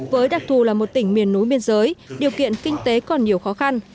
với đặc thù là một tỉnh miền núi biên giới điều kiện kinh tế còn nhiều khó khăn